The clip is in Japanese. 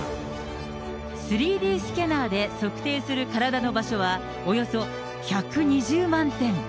３Ｄスキャナーで測定する体の場所は、およそ１２０万点。